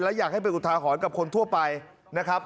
และอยากให้เป็นอุทาหรณ์กับคนทั่วไปนะครับ